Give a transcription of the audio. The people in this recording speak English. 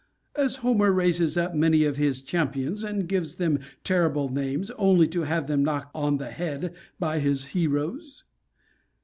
As Homer raises up many of his champions, and gives them terrible names, only to have them knocked on the head by his heroes.